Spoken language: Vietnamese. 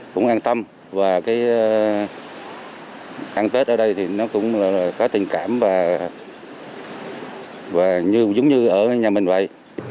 cũng an tâm và ăn tết ở đây cũng có tình cảm và giống như ở nhà mình vậy